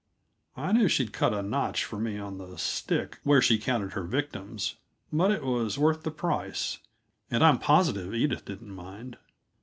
I knew she'd cut a notch for me on the stick where she counted her victims, but it was worth the price, and I'm positive Edith didn't mind.